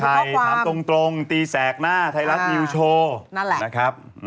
ถามตรงตีแสกหน้าไทยรัฐนิวโชว์นั่นแหละนะครับ